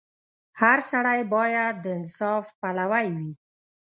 • هر سړی باید د انصاف پلوی وي.